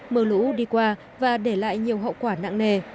mưa lũ đi qua và để lại nhiều hậu quả nặng nề